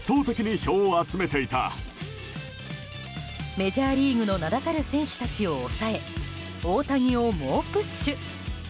メジャーリーグの名だたる選手たちを抑え大谷を猛プッシュ。